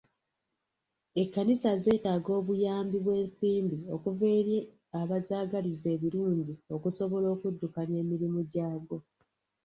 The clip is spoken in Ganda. Ekkanisa zeetaaga obuyambi bw'ensimbi okuva eri abazaagaliza ebirungi okusobola oluddukanya emirimu gyago.